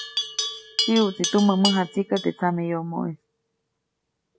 Tsiʼuʼtsi tumä mäjatsika teʼ tsameyomoʼis.